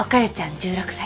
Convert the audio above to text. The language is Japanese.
１６歳。